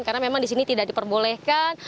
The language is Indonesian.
karena memang di sini tidak diperbolehkan